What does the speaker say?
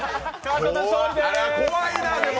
怖いなでも。